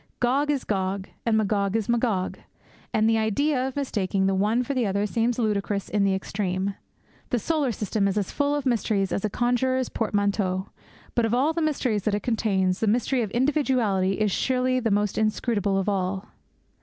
Gog is Gog, and Magog is Magog; and the idea of mistaking the one for the other seems ludicrous in the extreme. The solar system is as full of mysteries as a conjurer's portmanteaux; but, of all the mysteries that it contains, the mystery of individuality is surely the most inscrutable of all.